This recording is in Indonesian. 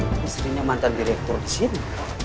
dia itu kan istrinya mantan direktur disini